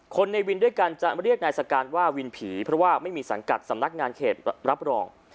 ในวินด้วยกันจะเรียกนายสการว่าวินผีเพราะว่าไม่มีสังกัดสำนักงานเขตรับรอง